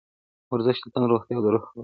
ورزش د تن روغتیا او د روح خوښي ده.